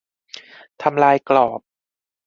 ทำลายกรอบ